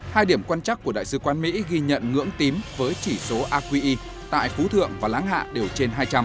hai điểm quan trắc của đại sứ quán mỹ ghi nhận ngưỡng tím với chỉ số aqi tại phú thượng và láng hạ đều trên hai trăm linh